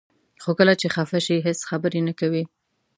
خو کله چې خفه شي هیڅ خبرې نه کوي.